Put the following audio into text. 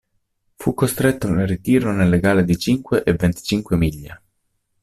Fu costretto al ritiro nelle gare di cinque e venticinque miglia.